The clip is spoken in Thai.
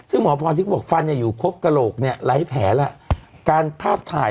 ซึ่งหมอพรที่เขาบอกฟันเนี่ยอยู่ครบกระโหลกเนี่ยไร้แผลล่ะการภาพถ่าย